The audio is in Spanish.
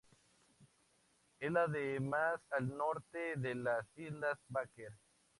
Es la de más al norte de las islas Baker.